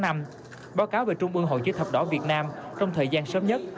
báo cáo về trung ương hội chữ thập đỏ việt nam trong thời gian sớm nhất